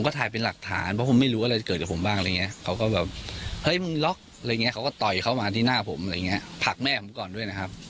เขาก็ต่อยเขามาที่หน้าผมผักแม่ผมก่อนด้วยนะครับ